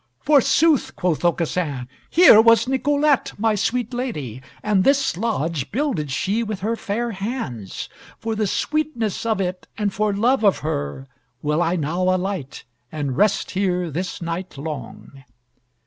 "Forsooth!" quoth Aucassin, "here was Nicolette, my sweet lady, and this lodge builded she with her fair hands. For the sweetness of it, and for love of her, will I now alight, and rest here this night long."